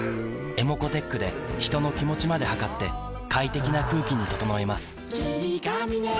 ｅｍｏｃｏーｔｅｃｈで人の気持ちまで測って快適な空気に整えます